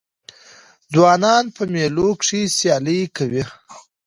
ځوانان په مېلو کښي سیالۍ کوي.